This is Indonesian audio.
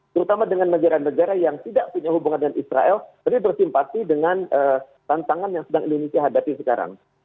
terutama dengan negara negara yang tidak punya hubungan dengan israel tapi bersimpati dengan tantangan yang sedang indonesia hadapi sekarang